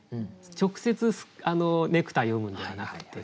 直接ネクタイ詠むんではなくって。